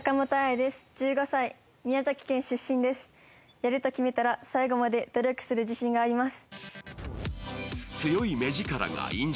やると決めたら最後まで努力する自信があります。